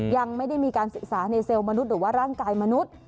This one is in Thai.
ยังไม่ได้มีการศึกษาในเซลล์มนุษย์หรือว่าร่างกายมนุษย์